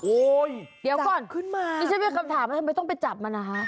โอ๊ยจับขึ้นมานี่ใช่มั้ยคำถามว่าทำไมต้องไปจับมันนะฮะ